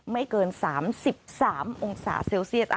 ไม่เกิน๓๓องศาเซลเซียส